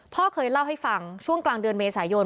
พ่อเคยเล่าให้ฟังช่วงกลางเดือนเมษายน